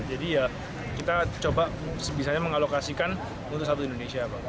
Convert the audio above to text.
jadi ya kita coba sebisanya mengalokasikan untuk satu indonesia pak